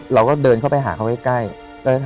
เราก็เดินเข้าไปหาเขาใกล้